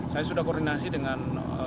saya sudah koordinasi dengan